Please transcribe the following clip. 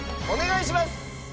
お願いします！